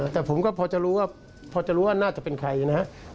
แต่ผมก็พอจะรู้ว่าพอจะรู้ว่าน่าจะเป็นใครนะครับ